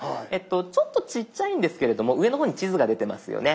ちょっとちっちゃいんですけれども上の方に地図が出てますよね。